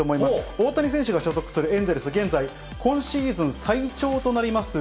大谷選手が所属するエンゼルス、現在、今シーズン最長となります